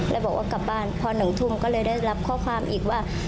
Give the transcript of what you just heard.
แล้วบอกว่ากลับบ้านพอ๑ทุ่มก็เลยได้รับข้อความอีกว่า